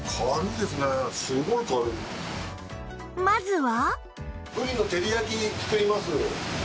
まずは